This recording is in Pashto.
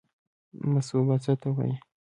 مصوبه څه ته وایي؟